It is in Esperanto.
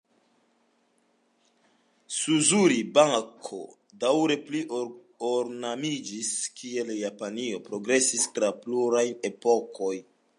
Suzuri-bako daŭre pli-ornamiĝis, kiel Japanio progresis tra pluraj epokoj.